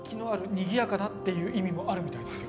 「にぎやかな」っていう意味もあるみたいですよ